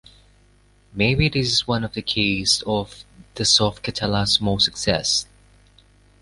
Maybe this is one of the keys of the Softcatalà’s small success.